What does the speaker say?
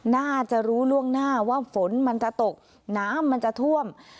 น่าจะรู้ล่วงหน้าว่าฝนมันจะตกน้ำมันจะท่วม